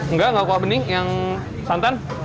enggak enggak kuah bening yang santan